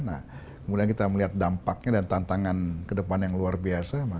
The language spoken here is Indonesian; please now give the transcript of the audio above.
nah kemudian kita melihat dampaknya dan tantangan ke depan yang luar biasa